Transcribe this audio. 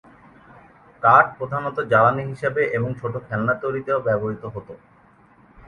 কাঠ প্রধানত জ্বালানী হিসাবে এবং ছোট খেলনা তৈরিতেও ব্যবহৃত হত।